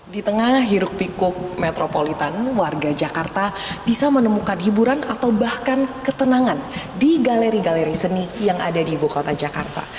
di tengah hiruk pikuk metropolitan warga jakarta bisa menemukan hiburan atau bahkan ketenangan di galeri galeri seni yang ada di ibu kota jakarta